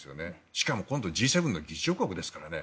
しかも今度Ｇ７の議長国ですからね。